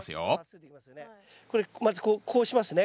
これまずこうしますね。